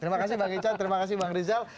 terima kasih bang ican terima kasih bang rizal